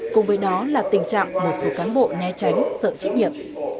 cùng với đó là tình trạng một số cán bộ né tránh sợ trách nhiệm